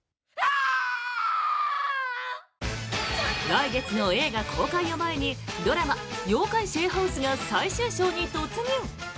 来月の映画公開を前にドラマ「妖怪シェアハウス」が最終章に突入。